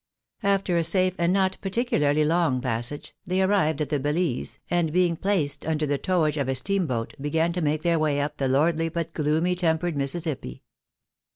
After a safe and not particularly long passage, they arrived at the Bahze, and being placed under the towage of a steam boat, began to make their way up the lordly, but gloomy tempered Mississippi.